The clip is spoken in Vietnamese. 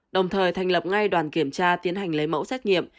đồng thời thành lập ngay đoàn kiểm tra tiến hành lấy mẫu xét nghiệm